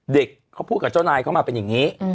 เด็กเขาพูดกับเจ้านายเข้ามาเป็นอย่างนี้